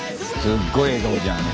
すっごい笑顔じゃん。